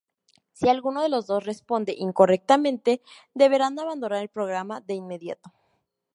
Si alguno de los dos responde incorrectamente, deberán abandonar el programa de inmediato.